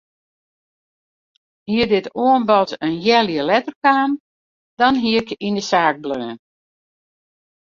Hie dit oanbod in healjier letter kaam dan hie ik yn de saak bleaun.